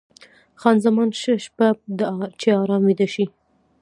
خان زمان: ښه شپه، چې ارام ویده شې.